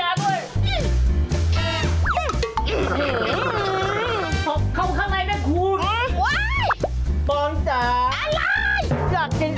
อ้าวคุณเลยทางน้ำด้วย